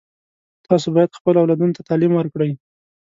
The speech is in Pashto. تاسو باید خپلو اولادونو ته تعلیم ورکړئ